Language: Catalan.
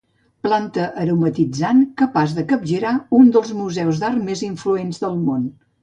Planta aromatitzant capaç de capgirar un dels museus d'art més influents del món.